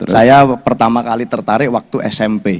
saya pertama kali tertarik waktu smp